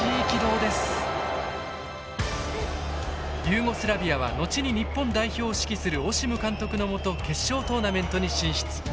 ユーゴスラビアは後に日本代表を指揮するオシム監督のもと決勝トーナメントに進出。